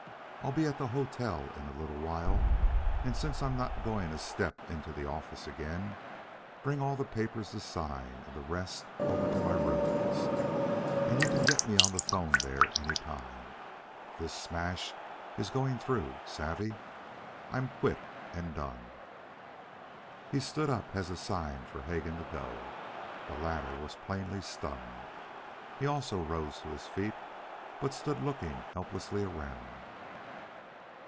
I'll be at the hotel in a little while, and since I'm not going a step into the office again, bring all papers to sign and the rest over to my rooms. And you can get me on the 'phone there any time. This smash is going through. Savvee? I'm quit and done." He stood up as a sign for Hegan to go. The latter was plainly stunned. He also rose to his feet, but stood looking helplessly around.